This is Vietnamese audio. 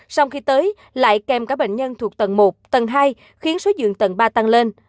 sau khi tới lại kèm cả bệnh nhân thuộc tầng một tầng hai khiến số giường tầng ba tăng lên